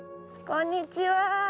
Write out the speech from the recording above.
こんにちは。